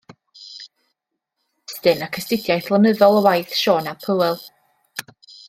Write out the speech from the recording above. Testun ac astudiaeth lenyddol o waith Siôn ap Hywel.